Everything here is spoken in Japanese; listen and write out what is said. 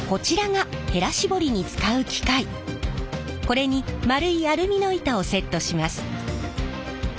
これに円いアルミの板をセットします。